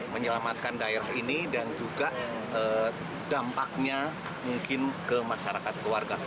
menyelamatkan daerah ini dan juga dampaknya mungkin ke masyarakat keluarga